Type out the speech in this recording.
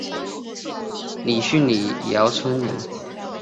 李迅李姚村人。